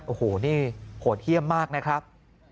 โอ้โหนี่โหดเยี่ยมมากนะครับ